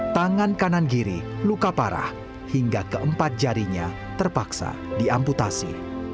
tangan kanan kiri luka parah hingga keempat jarinya terpaksa diamputasi